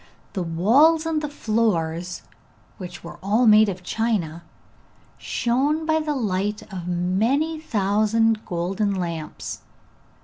The walls and the floors, which were all of china, shone by the light of many thousand golden lamps.